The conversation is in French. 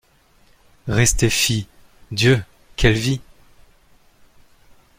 Rester fille, Dieu ! quelle vie !